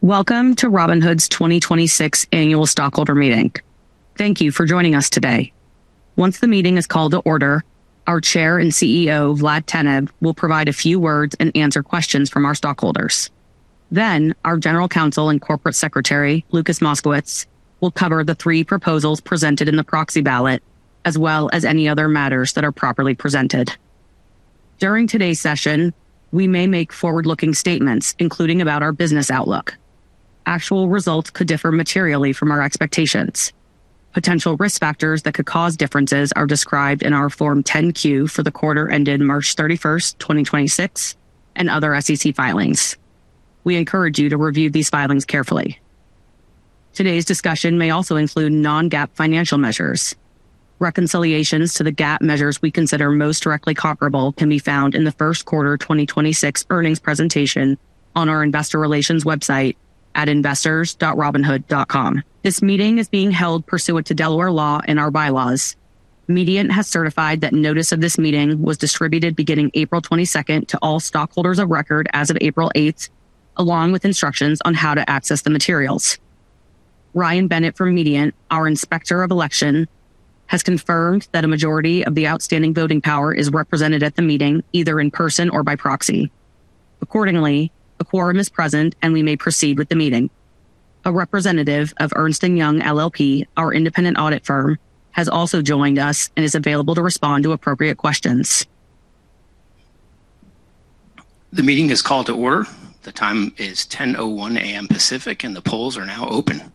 Welcome to Robinhood's 2026 annual stockholder meeting. Thank you for joining us today. Once the meeting is called to order, our Chair and CEO, Vlad Tenev, will provide a few words and answer questions from our stockholders. Our General Counsel and Corporate Secretary, Lucas Moskowitz, will cover the three proposals presented in the proxy ballot, as well as any other matters that are properly presented. During today's session, we may make forward-looking statements, including about our business outlook. Actual results could differ materially from our expectations. Potential risk factors that could cause differences are described in our Form 10-Q for the quarter ended March 31st, 2026, and other SEC filings. We encourage you to review these filings carefully. Today's discussion may also include non-GAAP financial measures. Reconciliations to the GAAP measures we consider most directly comparable can be found in the first quarter 2026 earnings presentation on our investor relations website at investors.robinhood.com. This meeting is being held pursuant to Delaware law and our bylaws. Mediant has certified that notice of this meeting was distributed beginning April 22nd to all stockholders of record as of April 8th, along with instructions on how to access the materials. Ryan Bennett from Mediant, our Inspector of Election, has confirmed that a majority of the outstanding voting power is represented at the meeting, either in person or by proxy. Accordingly, a quorum is present, and we may proceed with the meeting. A representative of Ernst & Young LLP, our independent audit firm, has also joined us and is available to respond to appropriate questions. The meeting is called to order. The time is 10:01 A.M. Pacific, and the polls are now open.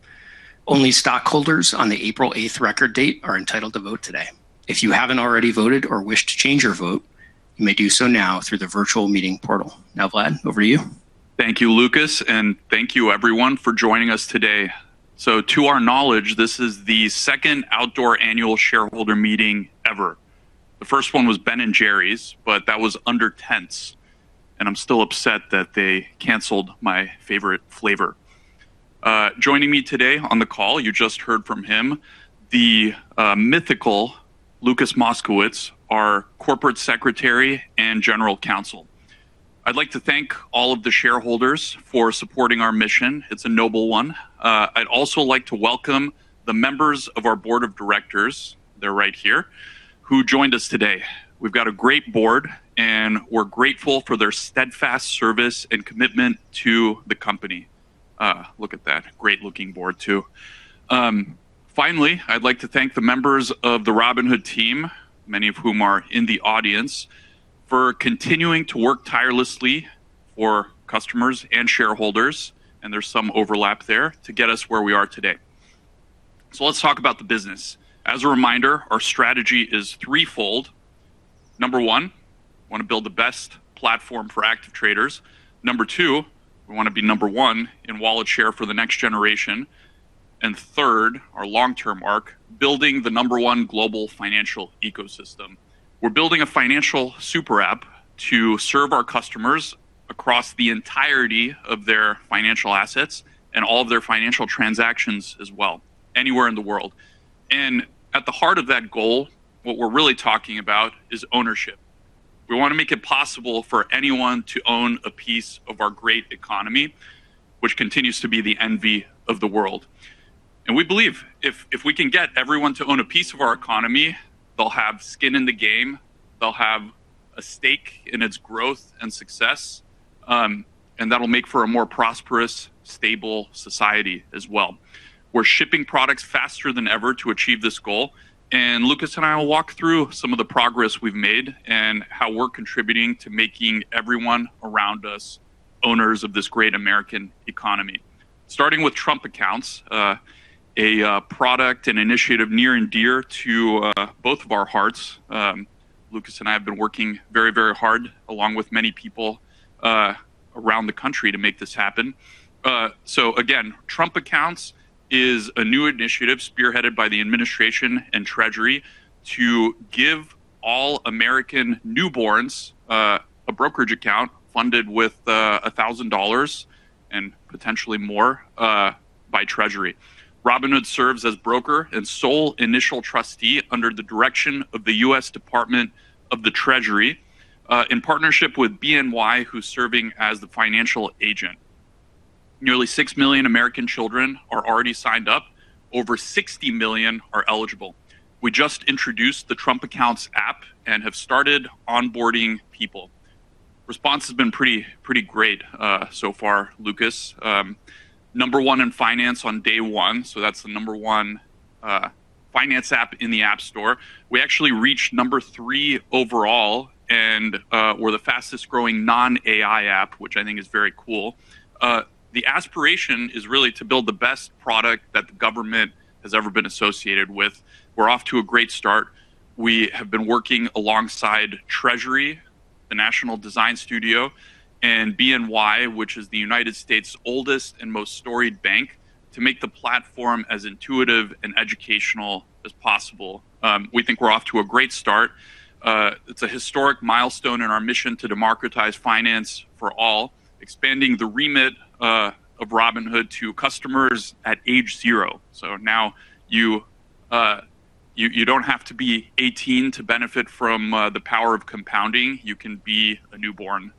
Only stockholders on the April 8th record date are entitled to vote today. If you haven't already voted or wish to change your vote, you may do so now through the virtual meeting portal. Now, Vlad, over to you. Thank you, Lucas, and thank you everyone for joining us today. To our knowledge, this is the second outdoor annual shareholder meeting ever. The first one was Ben & Jerry's, but that was under tents, and I'm still upset that they canceled my favorite flavor. Joining me today on the call, you just heard from him, the mythical Lucas Moskowitz, our corporate secretary and general counsel. I'd like to thank all of the shareholders for supporting our mission. It's a noble one. I'd also like to welcome the members of our board of directors, they're right here, who joined us today. We've got a great board, and we're grateful for their steadfast service and commitment to the company. Look at that, great-looking board, too. Finally, I'd like to thank the members of the Robinhood team, many of whom are in the audience, for continuing to work tirelessly for customers and shareholders, and there's some overlap there, to get us where we are today. Let's talk about the business. As a reminder, our strategy is threefold. Number one, we want to build the best platform for active traders. Number two, we want to be number one in wallet share for the next generation. Third, our long-term arc, building the number one global financial ecosystem. We're building a financial super app to serve our customers across the entirety of their financial assets and all of their financial transactions as well, anywhere in the world. At the heart of that goal, what we're really talking about is ownership. We want to make it possible for anyone to own a piece of our great economy, which continues to be the envy of the world. We believe if we can get everyone to own a piece of our economy, they'll have skin in the game, they'll have a stake in its growth and success, and that'll make for a more prosperous, stable society as well. We're shipping products faster than ever to achieve this goal, and Lucas and I will walk through some of the progress we've made and how we're contributing to making everyone around us owners of this great American economy. Starting with Trump Accounts, a product and initiative near and dear to both of our hearts. Lucas and I have been working very hard along with many people around the country to make this happen. Again, Trump Accounts is a new initiative spearheaded by the administration and Treasury to give all American newborns a brokerage account funded with $1,000, and potentially more, by Treasury. Robinhood serves as broker and sole initial trustee under the direction of the U.S. Department of the Treasury, in partnership with BNY, who's serving as the financial agent. Nearly 6 million American children are already signed up. Over 60 million are eligible. We just introduced the Trump Accounts app and have started onboarding people. Response has been pretty great so far, Lucas. Number one in finance on day one, that's the number one finance app in the App Store. We actually reached number three overall, we're the fastest-growing non-AI app, which I think is very cool. The aspiration is really to build the best product that the government has ever been associated with. We're off to a great start. We have been working alongside Treasury, the National Design Studio, and BNY, which is the United States' oldest and most storied bank, to make the platform as intuitive and educational as possible. We think we're off to a great start. It's a historic milestone in our mission to democratize finance for all, expanding the remit of Robinhood to customers at age zero. Now You don't have to be 18 to benefit from the power of compounding. You can be a newborn.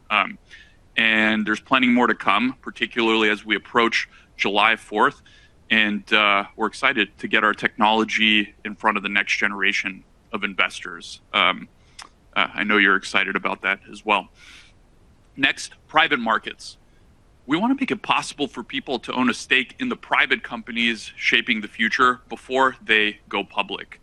There's plenty more to come, particularly as we approach July 4th, and we're excited to get our technology in front of the next generation of investors. I know you're excited about that as well. Next, private markets. We want to make it possible for people to own a stake in the private companies shaping the future before they go public.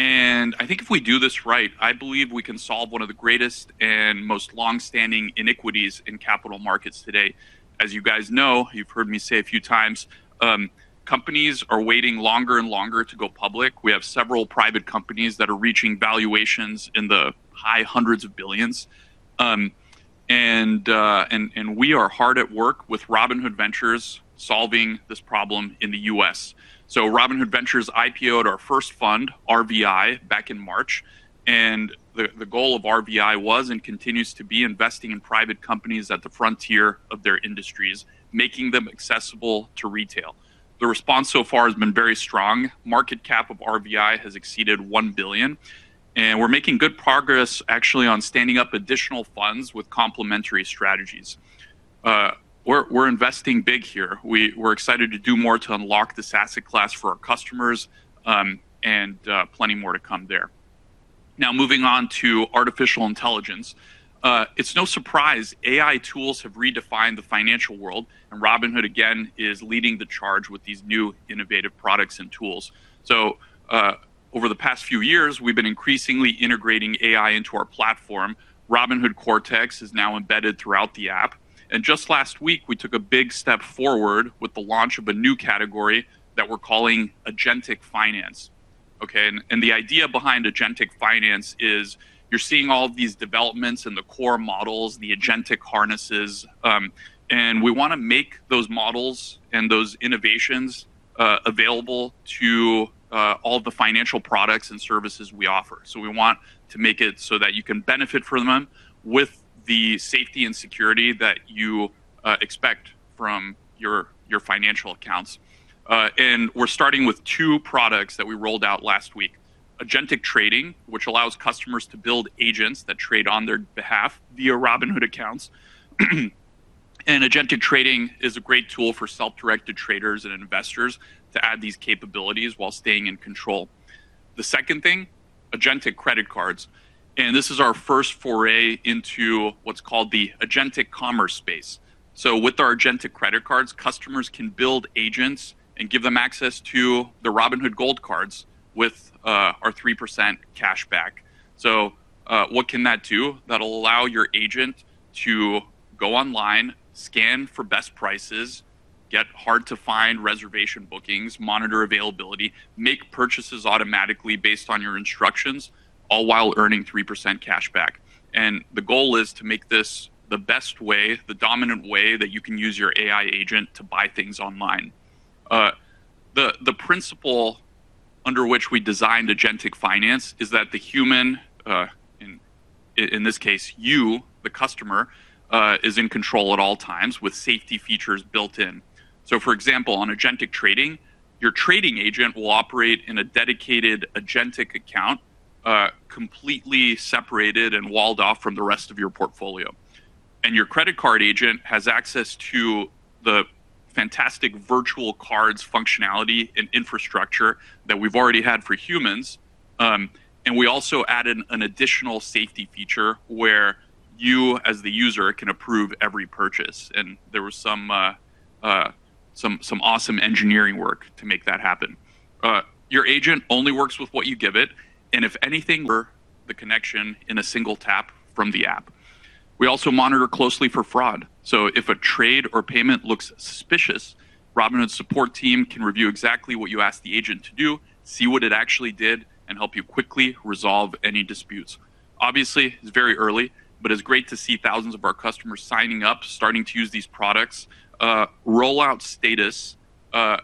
I think if we do this right, I believe we can solve one of the greatest and most longstanding iniquities in capital markets today. As you guys know, you've heard me say a few times, companies are waiting longer and longer to go public. We have several private companies that are reaching valuations in the high hundreds of billions. We are hard at work with Robinhood Ventures solving this problem in the U.S. Robinhood Ventures IPO'd our first fund, RVI, back in March, and the goal of RVI was and continues to be investing in private companies at the frontier of their industries, making them accessible to retail. The response so far has been very strong. Market cap of RVI has exceeded $1 billion, and we're making good progress actually on standing up additional funds with complementary strategies. We're investing big here. We're excited to do more to unlock this asset class for our customers, and plenty more to come there. Moving on to artificial intelligence. It's no surprise AI tools have redefined the financial world. Robinhood, again, is leading the charge with these new innovative products and tools. Over the past few years, we've been increasingly integrating AI into our platform. Robinhood Cortex is now embedded throughout the app. Just last week, we took a big step forward with the launch of a new category that we're calling Agentic Finance. The idea behind Agentic Finance is you're seeing all of these developments and the core models, the agentic harnesses. We want to make those models and those innovations available to all the financial products and services we offer. We want to make it so that you can benefit from them with the safety and security that you expect from your financial accounts. We're starting with two products that we rolled out last week. Agentic Trading, which allows customers to build agents that trade on their behalf via Robinhood accounts. Agentic Trading is a great tool for self-directed traders and investors to add these capabilities while staying in control. The second thing, Agentic Credit Cards, and this is our first foray into what's called the Agentic Commerce space. With our Agentic Credit Cards, customers can build agents and give them access to the Robinhood Gold Cards with our 3% cashback. What can that do? That'll allow your agent to go online, scan for best prices, get hard-to-find reservation bookings, monitor availability, make purchases automatically based on your instructions, all while earning 3% cashback. The goal is to make this the best way, the dominant way, that you can use your AI agent to buy things online. The principle under which we designed Agentic Finance is that the human, in this case, you, the customer, is in control at all times with safety features built in. For example, on Agentic Trading, your trading agent will operate in a dedicated agentic account, completely separated and walled off from the rest of your portfolio. Your credit card agent has access to the fantastic virtual cards functionality and infrastructure that we've already had for humans. We also added an additional safety feature where you, as the user, can approve every purchase. There was some awesome engineering work to make that happen. Your agent only works with what you give it, and if anything [for] the connection in a single tap from the app. We also monitor closely for fraud, so if a trade or payment looks suspicious, Robinhood's support team can review exactly what you asked the agent to do, see what it actually did, and help you quickly resolve any disputes. It's very early, but it's great to see thousands of our customers signing up, starting to use these products. Rollout status. Trading has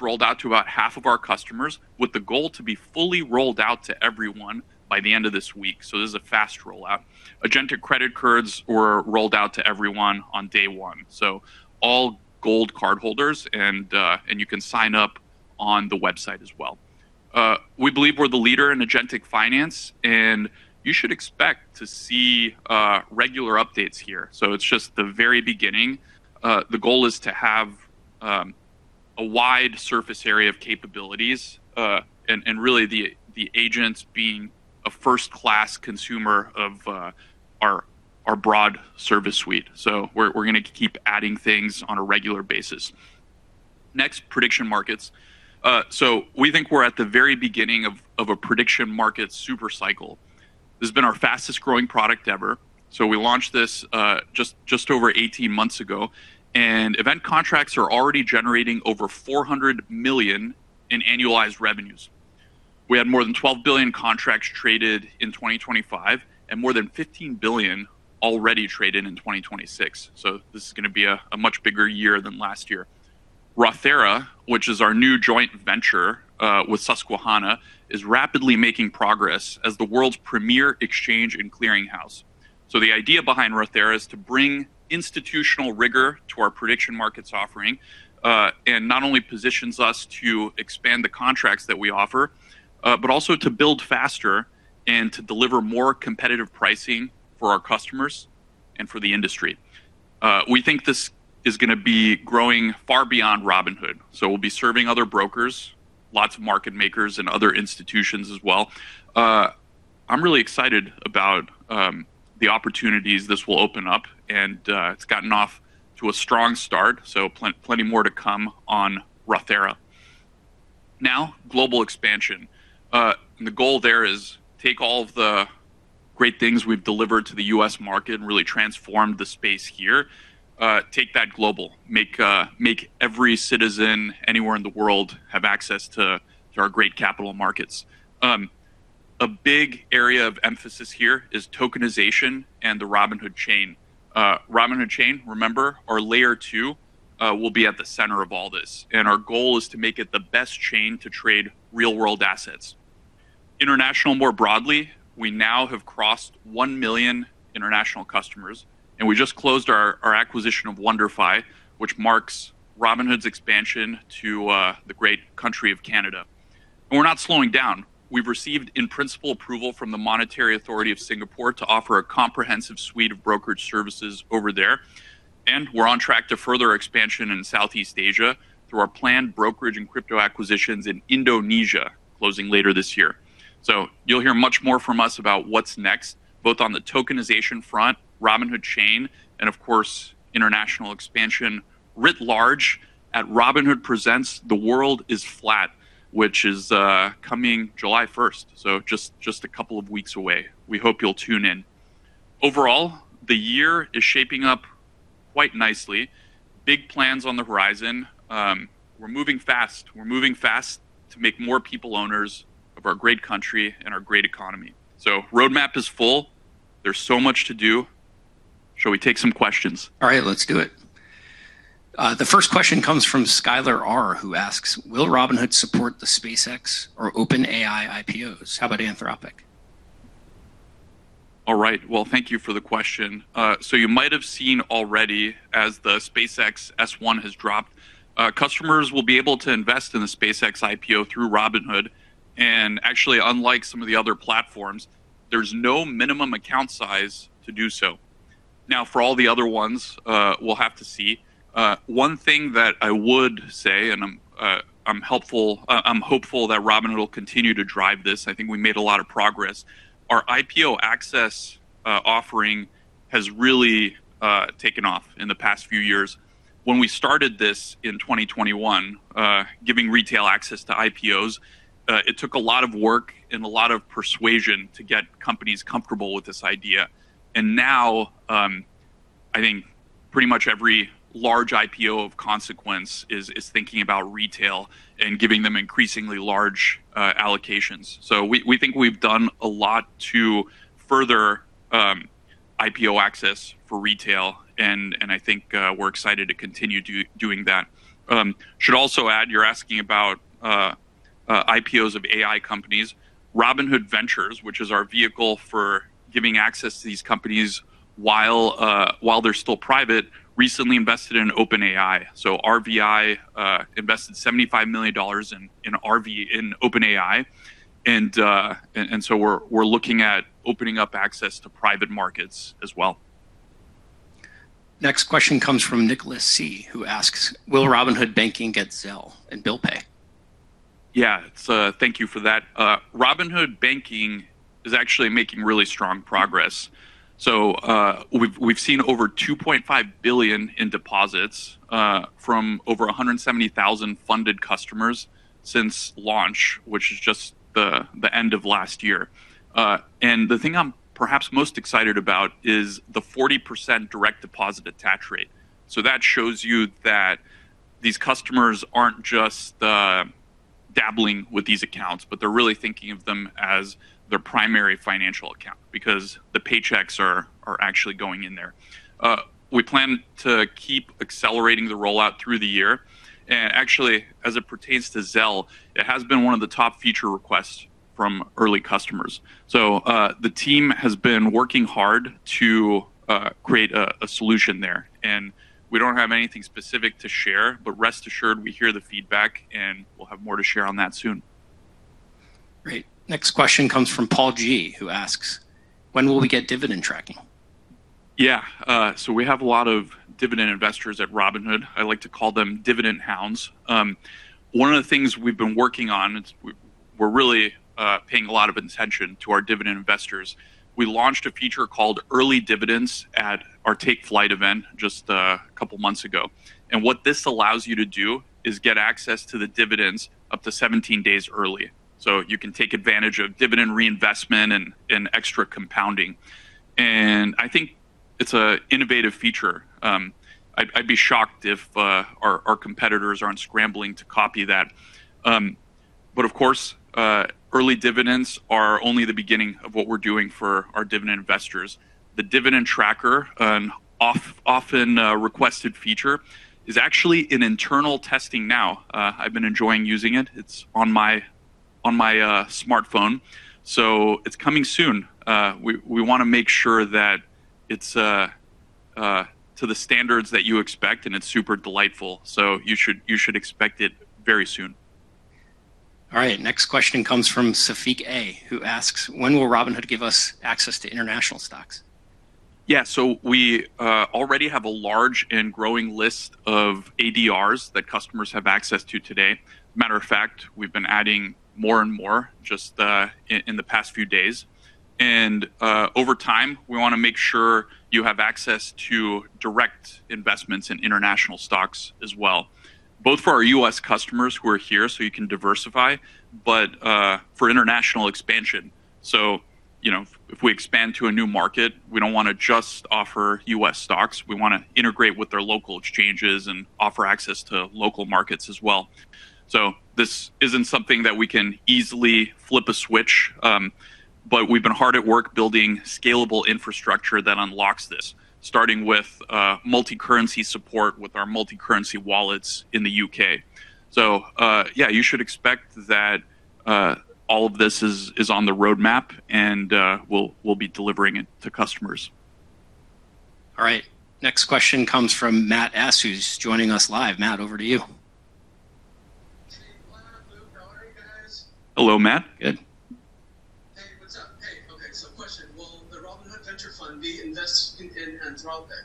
rolled out to about half of our customers, with the goal to be fully rolled out to everyone by the end of this week. This is a fast rollout. Agentic credit cards were rolled out to everyone on day one. All Gold cardholders, and you can sign up on the website as well. We believe we're the leader in Agentic Finance, and you should expect to see regular updates here. It's just the very beginning. The goal is to have a wide surface area of capabilities, and really the agents being a first-class consumer of our broad service suite. We're going to keep adding things on a regular basis. Next, prediction markets. We think we're at the very beginning of a prediction market super cycle. This has been our fastest-growing product ever. We launched this just over 18 months ago, and event contracts are already generating over $400 million in annualized revenues. We had more than $12 billion contracts traded in 2025 and more than $15 billion already traded in 2026. This is going to be a much bigger year than last year. Rothera, which is our new joint venture with Susquehanna, is rapidly making progress as the world's premier exchange and clearing house. The idea behind Rothera is to bring institutional rigor to our prediction markets offering, and not only positions us to expand the contracts that we offer, but also to build faster and to deliver more competitive pricing for our customers and for the industry. We think this is going to be growing far beyond Robinhood, so we'll be serving other brokers, lots of market makers, and other institutions as well. I'm really excited about the opportunities this will open up, and it's gotten off to a strong start, so plenty more to come on Rothera. Now, global expansion. The goal there is take all of the great things we've delivered to the U.S. market and really transformed the space here, take that global, make every citizen anywhere in the world have access to our great capital markets. A big area of emphasis here is tokenization and the Robinhood Chain. Robinhood Chain, remember, our Layer 2 will be at the center of all this, and our goal is to make it the best chain to trade real-world assets. International more broadly, we now have crossed 1 million international customers. We just closed our acquisition of WonderFi, which marks Robinhood's expansion to the great country of Canada. We're not slowing down. We've received in-principle approval from the Monetary Authority of Singapore to offer a comprehensive suite of brokerage services over there. We're on track to further expansion in Southeast Asia through our planned brokerage and crypto acquisitions in Indonesia closing later this year. You'll hear much more from us about what's next, both on the tokenization front, Robinhood Chain, and of course, international expansion writ large at Robinhood Presents: The World is Flat, which is coming July 1st. Just a couple of weeks away. We hope you'll tune in. Overall, the year is shaping up quite nicely. Big plans on the horizon. We're moving fast. We're moving fast to make more people owners of our great country and our great economy. The roadmap is full. There's so much to do. Shall we take some questions? All right, let's do it. The first question comes from Skyler R, who asks, "Will Robinhood support the SpaceX or OpenAI IPOs? How about Anthropic? All right. Well, thank you for the question. You might have seen already as the SpaceX S-1 has dropped, customers will be able to invest in the SpaceX IPO through Robinhood. Actually, unlike some of the other platforms, there's no minimum account size to do so. Now, for all the other ones, we'll have to see. One thing that I would say, and I'm hopeful that Robinhood will continue to drive this, I think we made a lot of progress. Our IPO Access offering has really taken off in the past few years. When we started this in 2021, giving retail access to IPOs, it took a lot of work and a lot of persuasion to get companies comfortable with this idea. Now, I think pretty much every large IPO of consequence is thinking about retail and giving them increasingly large allocations. We think we've done a lot to further IPO Access for retail, and I think we're excited to continue doing that. Should also add, you're asking about IPOs of AI companies. Robinhood Ventures, which is our vehicle for giving access to these companies while they're still private, recently invested in OpenAI. RVI invested $75 million in OpenAI, we're looking at opening up access to private markets as well. Next question comes from Nicholas C, who asks, "Will Robinhood Banking get Zelle and Bill Pay? Yeah. Thank you for that. Robinhood Banking is actually making really strong progress. We've seen over $2.5 billion in deposits from over 170,000 funded customers since launch, which is just the end of last year. The thing I'm perhaps most excited about is the 40% direct deposit attach rate. That shows you that these customers aren't just dabbling with these accounts, but they're really thinking of them as their primary financial account because the paychecks are actually going in there. We plan to keep accelerating the rollout through the year. Actually, as it pertains to Zelle, it has been one of the top feature requests from early customers. The team has been working hard to create a solution there. We don't have anything specific to share, but rest assured, we hear the feedback, and we'll have more to share on that soon. Great. Next question comes from Paul G, who asks, "When will we get dividend tracking? Yeah. We have a lot of dividend investors at Robinhood. I like to call them dividend hounds. One of the things we've been working on is we're really paying a lot of attention to our dividend investors. We launched a feature called Early Dividends at our Take Flight event just a couple of months ago. What this allows you to do is get access to the dividends up to 17 days early. You can take advantage of dividend reinvestment and extra compounding. I think it's an innovative feature. I'd be shocked if our competitors aren't scrambling to copy that. Of course, Early Dividends are only the beginning of what we're doing for our dividend investors. The dividend tracker, an often-requested feature, is actually in internal testing now. I've been enjoying using it. It's on my smartphone. It's coming soon. We want to make sure that it's to the standards that you expect, and it's super delightful. You should expect it very soon. All right. Next question comes from Safiq A, who asks, "When will Robinhood give us access to international stocks? Yeah. We already have a large and growing list of ADRs that customers have access to today. Matter of fact, we've been adding more and more just in the past few days. Over time, we want to make sure you have access to direct investments in international stocks as well, both for our U.S. customers who are here, so you can diversify, but for international expansion. If we expand to a new market, we don't want to just offer U.S. stocks. We want to integrate with their local exchanges and offer access to local markets as well. This isn't something that we can easily flip a switch, but we've been hard at work building scalable infrastructure that unlocks this, starting with multi-currency support with our multi-currency wallets in the U.K. Yeah, you should expect that all of this is on the roadmap, and we'll be delivering it to customers. All right. Next question comes from Matt S, who's joining us live. Matt, over to you. Hey, Vlad, Luke. How are you guys? Hello, Matt. Good. Hey, what's up? Hey, okay, question, will the Robinhood Ventures Fund be investing in Anthropic?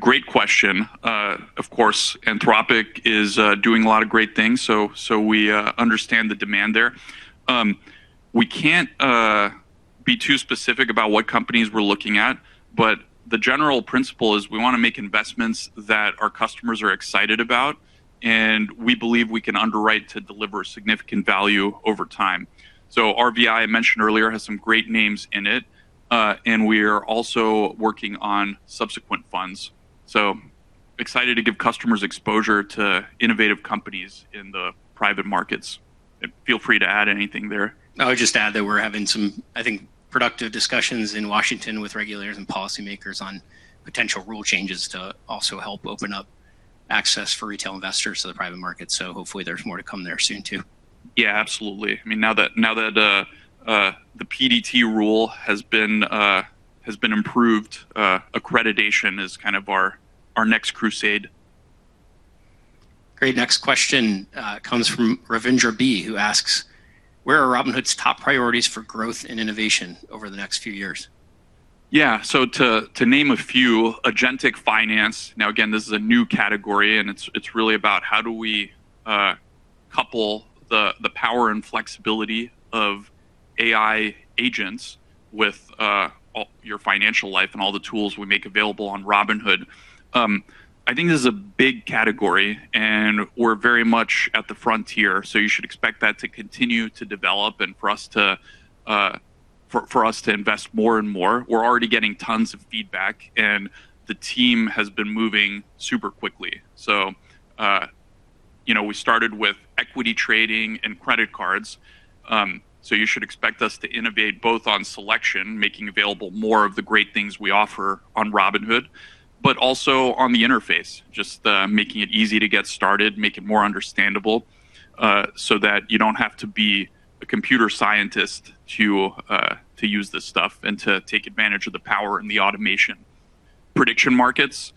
Great question. Of course, Anthropic is doing a lot of great things, so we understand the demand there. We can't be too specific about what companies we're looking at, but the general principle is we want to make investments that our customers are excited about, and we believe we can underwrite to deliver significant value over time. RVI, I mentioned earlier, has some great names in it, and we're also working on subsequent funds. We are excited to give customers exposure to innovative companies in the private markets. Feel free to add anything there. I would just add that we're having some, I think, productive discussions in Washington with regulators and policymakers on potential rule changes to also help open up access for retail investors to the private market. Hopefully there's more to come there soon too. Yeah, absolutely. Now that the PDT rule has been improved, accreditation is kind of our next crusade. Great. Next question comes from Ravindra B, who asks, "Where are Robinhood's top priorities for growth and innovation over the next few years? Yeah. To name a few, Agentic Finance. Now, again, this is a new category, and it's really about how do we couple the power and flexibility of AI agents with all your financial life and all the tools we make available on Robinhood. I think this is a big category, and we're very much at the frontier, so you should expect that to continue to develop and for us to invest more and more. We're already getting tons of feedback, and the team has been moving super quickly. We started with equity trading and credit cards, so you should expect us to innovate both on selection, making available more of the great things we offer on Robinhood, but also on the interface, just making it easy to get started, make it more understandable, so that you don't have to be a computer scientist to use this stuff and to take advantage of the power and the automation. Prediction markets,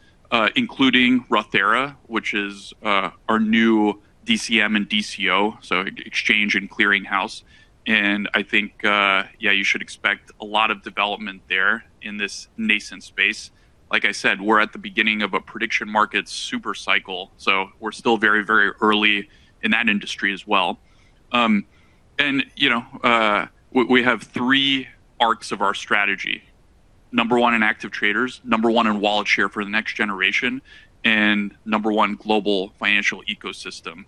including Rothera, which is our new DCM and DCO, so exchange and clearinghouse, and I think, yeah, you should expect a lot of development there in this nascent space. Like I said, we're at the beginning of a prediction market super cycle. We're still very early in that industry as well. We have three arcs of our strategy. Number 1 in active traders, Number 1 in wallet share for the next generation, and Number 1 global financial ecosystem.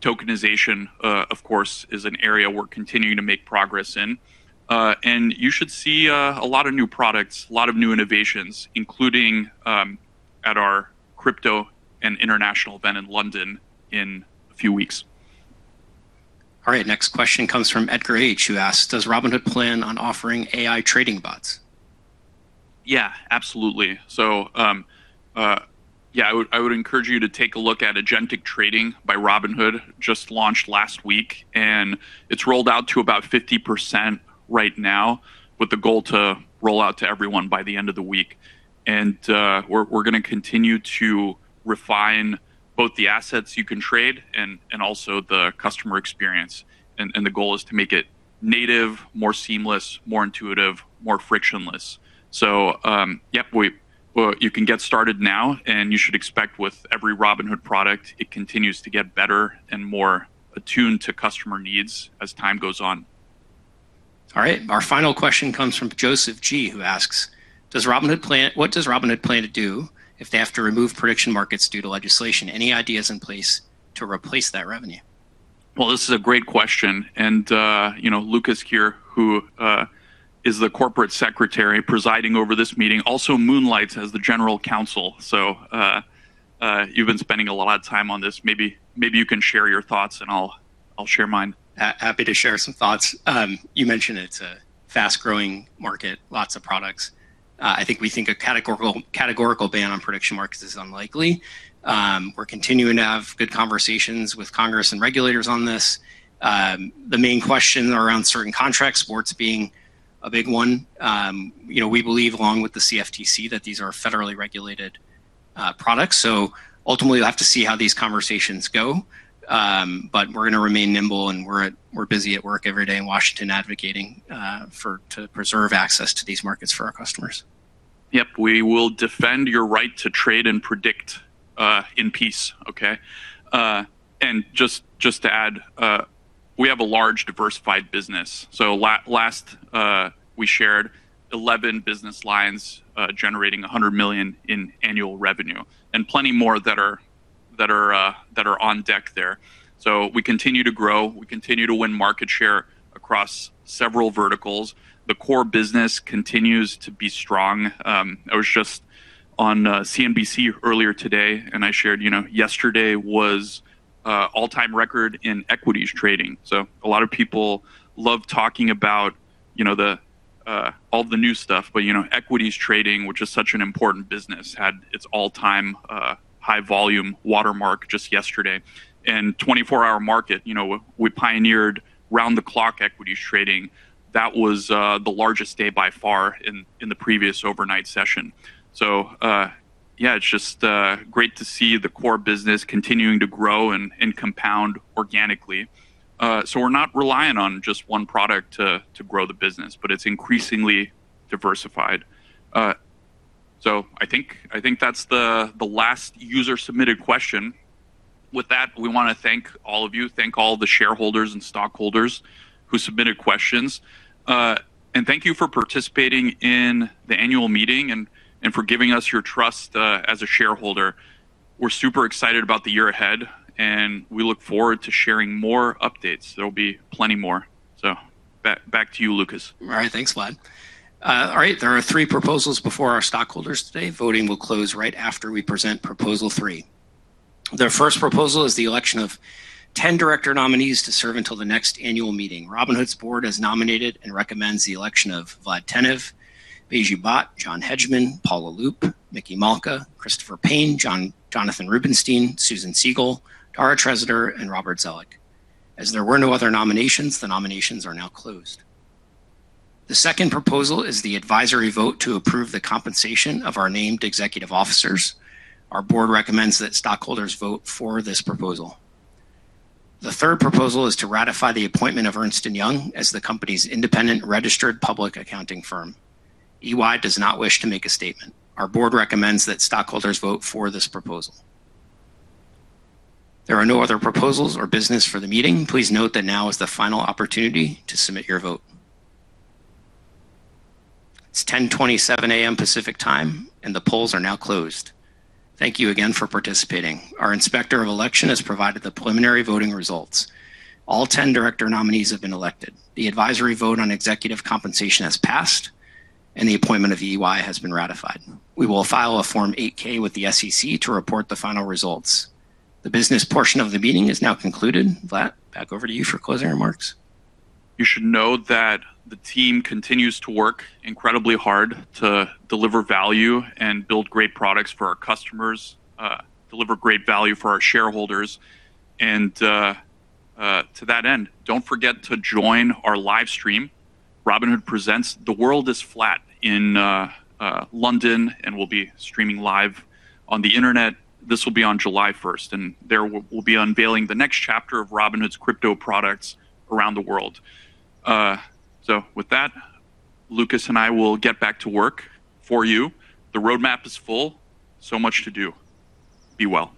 Tokenization, of course, is an area we're continuing to make progress in. You should see a lot of new products, a lot of new innovations, including at our crypto and international event in London in a few weeks. All right. Next question comes from Edgar H, who asks, "Does Robinhood plan on offering AI trading bots? Yeah, absolutely. Yeah, I would encourage you to take a look at Agentic Trading by Robinhood. Just launched last week, and it's rolled out to about 50% right now, with the goal to roll out to everyone by the end of the week. We're going to continue to refine both the assets you can trade and also the customer experience. The goal is to make it native, more seamless, more intuitive, more frictionless. Yep, you can get started now, and you should expect with every Robinhood product, it continues to get better and more attuned to customer needs as time goes on. All right. Our final question comes from Joseph G, who asks, "What does Robinhood plan to do if they have to remove prediction markets due to legislation? Any ideas in place to replace that revenue? Well, this is a great question. Lucas here, who is the corporate secretary presiding over this meeting, also moonlights as the general counsel. You've been spending a lot of time on this. Maybe you can share your thoughts and I'll share mine. Happy to share some thoughts. You mentioned it's a fast-growing market, lots of products. I think we think a categorical ban on prediction markets is unlikely. We're continuing to have good conversations with Congress and regulators on this. The main question around certain contracts, sports being a big one. We believe, along with the CFTC, that these are federally regulated products. Ultimately, we'll have to see how these conversations go. We're going to remain nimble, and we're busy at work every day in Washington advocating to preserve access to these markets for our customers. Yep. We will defend your right to trade and predict in peace. Okay? Just to add, we have a large, diversified business. Last we shared 11 business lines generating $100 million in annual revenue, and plenty more that are on deck there. We continue to grow, we continue to win market share across several verticals. The core business continues to be strong. I was just on CNBC earlier today and I shared yesterday was all-time record in equities trading. A lot of people love talking about all the new stuff, but equities trading, which is such an important business, had its all-time high volume watermark just yesterday. 24-Hour Market, we pioneered round-the-clock equities trading. That was the largest day by far in the previous overnight session. Yeah, it's just great to see the core business continuing to grow and compound organically. We're not reliant on just one product to grow the business, but it's increasingly diversified. I think that's the last user-submitted question. With that, we want to thank all of you, thank all the shareholders and stockholders who submitted questions. Thank you for participating in the annual meeting and for giving us your trust as a shareholder. We're super excited about the year ahead, and we look forward to sharing more updates. There'll be plenty more. Back to you, Lucas. All right. Thanks, Vlad. All right. There are three proposals before our stockholders today. Voting will close right after we present proposal three. The first proposal is the election of 10 director nominees to serve until the next annual meeting. Robinhood's Board has nominated and recommends the election of Vlad Tenev, Baiju Bhatt, John Hedgpeth, Paula Loop, Micky Malka, Christopher Payne, Jonathan Rubinstein, Susan Segal, Dara Treseder, and Robert Zoellick. As there were no other nominations, the nominations are now closed. The second proposal is the advisory vote to approve the compensation of our named executive officers. Our Board recommends that stockholders vote for this proposal. The third proposal is to ratify the appointment of Ernst & Young as the company's independent registered public accounting firm. EY does not wish to make a statement. Our Board recommends that stockholders vote for this proposal. There are no other proposals or business for the meeting. Please note that now is the final opportunity to submit your vote. It's 10:27 A.M. Pacific Time, and the polls are now closed. Thank you again for participating. Our inspector of election has provided the preliminary voting results. All 10 director nominees have been elected. The advisory vote on executive compensation has passed, and the appointment of EY has been ratified. We will file a Form 8-K with the SEC to report the final results. The business portion of the meeting is now concluded. Vlad, back over to you for closing remarks. You should know that the team continues to work incredibly hard to deliver value and build great products for our customers, deliver great value for our shareholders. To that end, don't forget to join our live stream, Robinhood Presents: The World is Flat, in London, and we'll be streaming live on the internet. This will be on July 1st, there we'll be unveiling the next chapter of Robinhood's crypto products around the world. With that, Lucas and I will get back to work for you. The roadmap is full, so much to do. Be well.